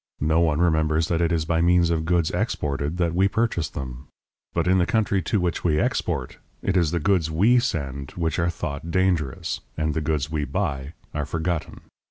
No one remembers that it is by means of goods exported that we purchase them. But in the country to which we export, it is the goods we send which are thought dangerous, and the goods we buy are forgotten.